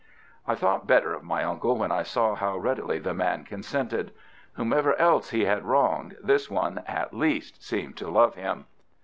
I thought better of my uncle when I saw how readily the man consented. Whomever else he had wronged, this one at least seemed to love him.